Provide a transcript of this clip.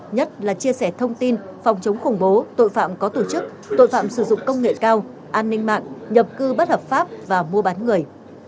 nhất là chia sẻ thông tin phòng chống khủng bố tội phạm có tổ chức tội phạm sử dụng công nghệ cao an ninh mạng nhập cư bất hợp pháp và mua bán người